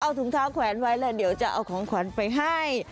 เอาถุงเท้าแขวนไว้แล้วเดี๋ยวจะเอาของขวัญไปให้